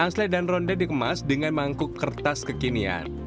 mangsley dan ronde dikemas dengan mangkuk kertas kekinian